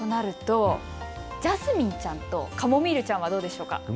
ではジャスミンちゃんとカモミールちゃんはどうでしょうか。